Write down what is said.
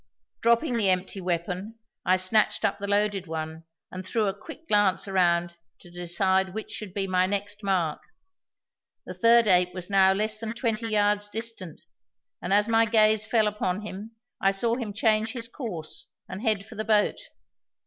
Dropping the empty weapon, I snatched up the loaded one, and threw a quick glance around to decide which should be my next mark. The third ape was now less than twenty yards distant, and as my gaze fell upon him I saw him change his course and head for the boat.